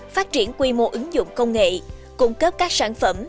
phát triển quy mô ứng dụng công nghệ cung cấp các sản phẩm